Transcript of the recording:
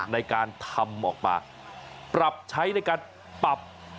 ในการทำออกมาปรับใช้ในการปรับ